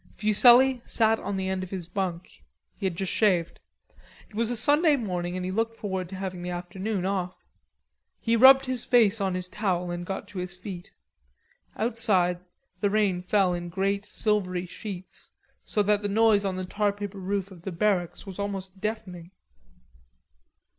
Fuselli sat on the end of his bunk. He had just shaved. It was a Sunday morning and he looked forward to having the afternoon off. He rubbed his face on his towel and got to his feet. Outside, the rain fell in great silvery sheets, so that the noise on the tarpaper roof of the barracks was almost deafening.